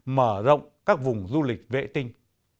mở rộng các vùng du lịch vệ tinh